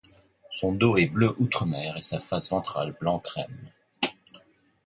Son dos est bleu outremer et sa face ventrale blanc crème.